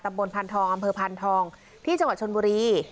ตำบลพันธองอำเภอพานธองที่จชนบุรี